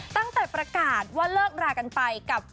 ตั้งแต่ประกาศว่าเลิกรากันไปกับ